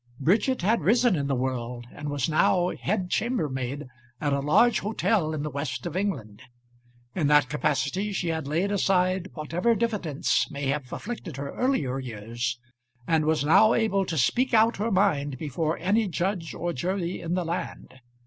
Bridget had risen in the world and was now head chambermaid at a large hotel in the west of England. In that capacity she had laid aside whatever diffidence may have afflicted her earlier years, and was now able to speak out her mind before any judge or jury in the land.